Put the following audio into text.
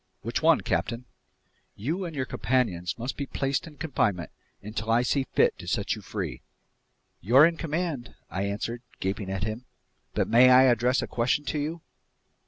"Which one, captain?" "You and your companions must be placed in confinement until I see fit to set you free." "You're in command," I answered, gaping at him. "But may I address a question to you?"